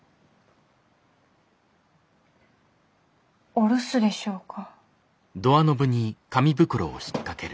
お留守でしょうか。